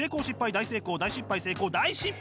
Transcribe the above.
大成功大失敗成功大失敗！